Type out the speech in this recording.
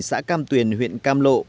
xã cam tuyền huyện cam lộ